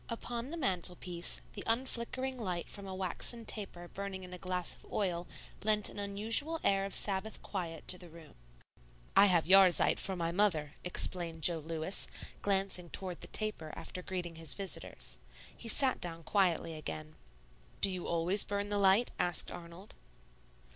Upon the mantel piece, the unflickering light from a waxen taper burning in a glass of oil lent an unusual air of Sabbath quiet to the room. "I have 'Yahrzeit' for my mother," explained Jo Lewis, glancing toward the taper after greeting his visitors. He sat down quietly again. "Do you always burn the light?" asked Arnold.